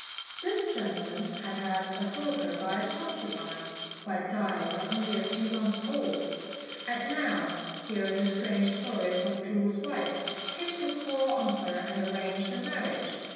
This gentleman had had a daughter by a concubine, who had died when only a few months old; and now, hearing the strange story of Chu's wife, came to call on her and arrange the marriage.